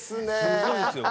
すごいんですよ。